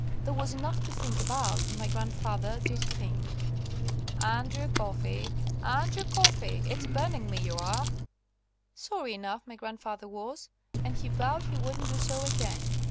There was enough to think about, and my grandfather did think. "Andrew Coffey! Andrew Coffey! It's burning me ye are." Sorry enough my grandfather was, and he vowed he wouldn't do so again.